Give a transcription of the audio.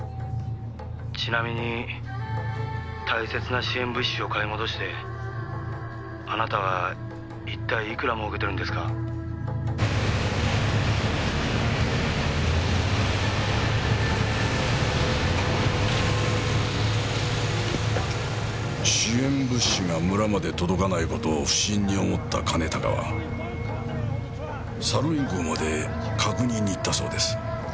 「ちなみに大切な支援物資を買い戻してあなたは一体いくらもうけてるんですか？」支援物資が村まで届かない事を不審に思った兼高はサルウィン港まで確認に行ったそうです。